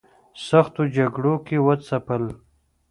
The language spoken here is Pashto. سختو جګړو کې وځپل.